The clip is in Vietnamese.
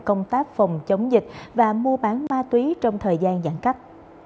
công tác phòng chống dịch và mua bán ma túy trong thời gian giãn cách